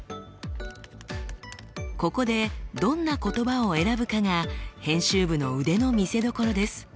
ここでどんな言葉を選ぶかが編集部の腕の見せどころです。